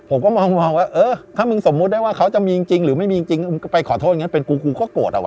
ผมก็มองว่าเออถ้ามึงสมมุติได้ว่าเขาจะมีจริงหรือไม่มีจริงไปขอโทษอย่างนั้นเป็นกูกูก็โกรธอะว